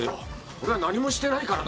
俺は何もしてないからな。